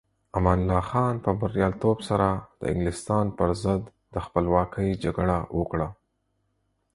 امان الله خان په بریالیتوب سره د انګلستان پر ضد د خپلواکۍ جګړه وکړه.